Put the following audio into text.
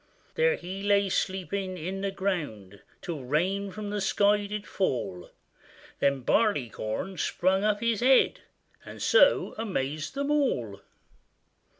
There he lay sleeping in the ground, Till rain from the sky did fall: Then Barleycorn sprung up his head, And so amazed them all.